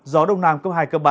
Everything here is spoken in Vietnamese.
gió đông nam cấp hai ba